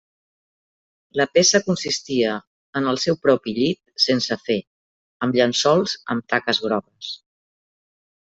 La peça consistia en el seu propi llit sense fer, amb llençols amb taques grogues.